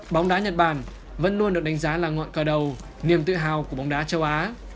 bóng đá nhật bản vẫn luôn được đánh giá là ngọn cờ đầu niềm tự hào của bóng đá châu á